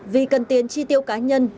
vì cần tiền tri tiêu cá nhân